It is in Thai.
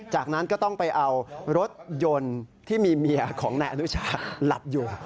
จากนั้นก็ต้องไปเอารถยนต์ที่มีเมียของนายอนุชาหลับอยู่